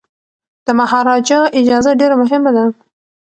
د مهاراجا اجازه ډیره مهمه ده.